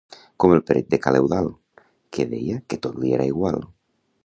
Com el Peret de ca l'Eudald, que deia que tot li era igual.